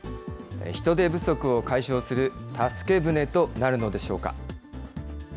人手不足を解消する助け船となるのでしょうか。